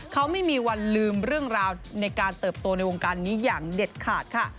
เขาไม่มีวันลืมเรื่องราวในการเติบโตในวงการนี้อย่างเด็ดขาดค่ะ